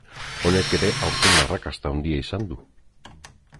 Honek ere aurten arrakasta handia izan du.